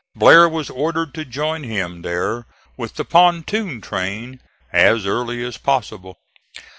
Blair was ordered to join him there with the pontoon train as early as possible.